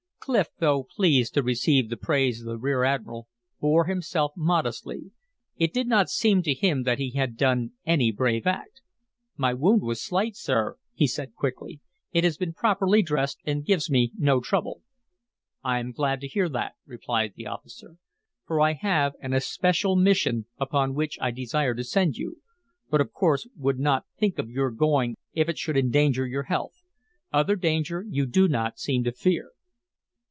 Clif, though pleased to receive the praise of the rear admiral, bore himself modestly. It did not seem to him that he had done any brave act. "My wound was slight, sir," he said quickly. "It has been properly dressed, and gives me no trouble." "I am glad to hear that," replied the officer, "for I have an especial mission upon which I desire to send you, but of course would not think of your going if it should endanger your health. Other danger you do not seem to fear."